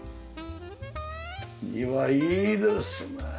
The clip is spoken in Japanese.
庭いいですねえ。